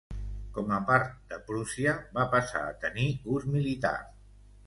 Com a part de Prússia, va passar a tenir ús militar.